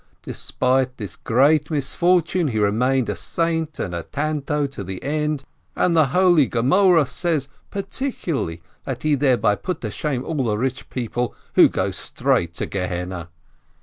Despite this great misfor tune, he remained a saint and a Tano to the end, and the holy Gemoreh says particularly that he thereby put to shame all the rich people, who go straight to Gehenna."